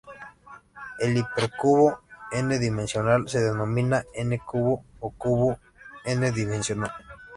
Un hipercubo n-dimensional se denomina n-cubo o cubo n-dimensional.